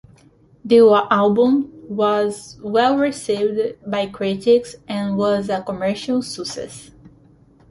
The album was well received by critics and was a commercial success.